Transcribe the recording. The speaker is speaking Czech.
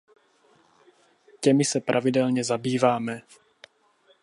Těmi se pravidelně zabýváme.